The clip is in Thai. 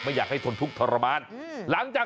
ไม่อยากให้ทนทุกข์ทรมาน